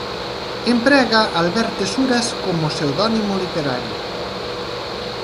Emprega Alberte Suras como pseudónimo literario.